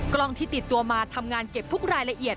กล้องที่ติดตัวมาทำงานเก็บทุกรายละเอียด